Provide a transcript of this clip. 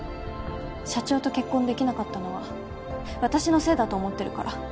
社長と結婚できなかったのは私のせいだと思ってるから。